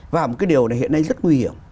và một cái điều này hiện nay rất nguy hiểm